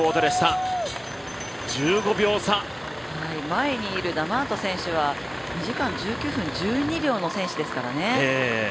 前にいるダマート選手は２時間１９分１２秒の選手ですからね